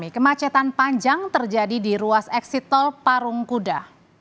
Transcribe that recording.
kemacetan panjang terjadi di ruas eksit tol parung kuda